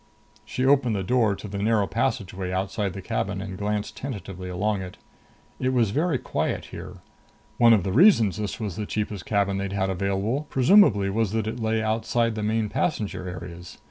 She opened the door to the narrow passageway outside the cabin and glanced tentatively along it. It was very quiet here. One of the reasons this was the cheapest cabin they'd had available presumably was that it lay outside the main passenger areas.